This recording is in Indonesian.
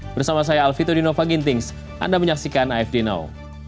bersama saya alvito dinova gintings anda menyaksikan afd now